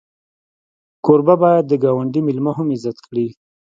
کوربه باید د ګاونډي میلمه هم عزت کړي.